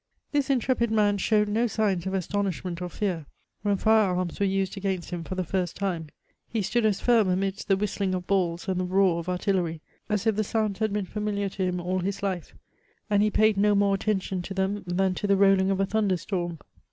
This intrepid man showed no signs of astonishment or fear, when fire arms were used against him for the first time ; he stood as firm amidst the whistling of balls and the roar of artillery, as if the sounds had been familiar to him all his life ; and he paid no more attention to them than to the rolling of a thunder storm.